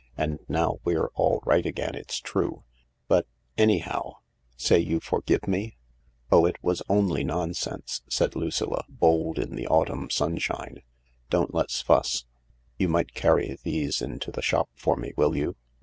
And now we're all right again it's true. But — anyhow — say you forgive me ?" "Oh, it was only nonsense," said Lucilla, bold in the autumn sunshine ;" don't let's fuss. You might carry these into the shop for me, will you